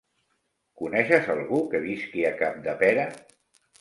Coneixes algú que visqui a Capdepera?